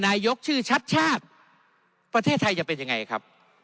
นายกชื่อชัดชาติประเทศไทยจะเป็นยังไงครับ